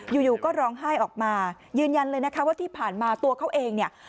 อยู่อยู่ก็ร้องไห้ออกมายืนยันเลยนะคะว่าที่ผ่านมาตัวเขาเองเนี่ย